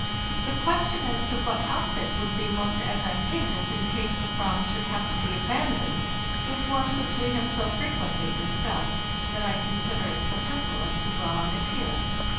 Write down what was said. The question as to what outfit would be most advantageous in case the frram should have to be abandoned is one which we have so frequently discussed that I consider it superfluous to dwell on it here.